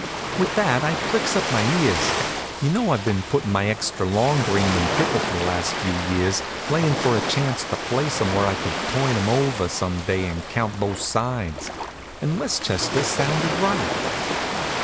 With that I pricks up my ears. You know I've been puttin' my extra long green in pickle for the last few years, layin' for a chance to place 'em where I could turn 'em over some day and count both sides. And Westchester sounded right.